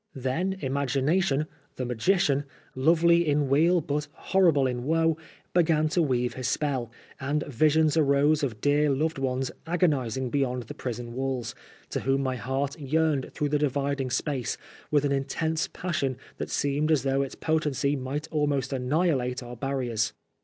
Then HOLLO WAT GAOL. 117 imagination, the magician, lovely in weal but terrible in woe, began to weave his spell, and visions arose of dear loved ones agonising beyond the prison walls, to whom my heart yearned through the dividing space with an intense passion that seemed as though its potency might almost annihilate our barriers.